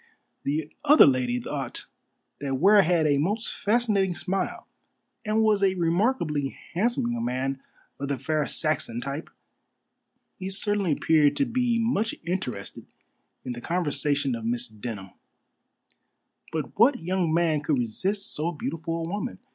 The other lady thought that Ware had a most fascinating smile, and was a remarkably handsome young man of the fair Saxon type. He certainly appeared to be much interested in the conversation of Miss Denham. But what young man could resist so beautiful a woman?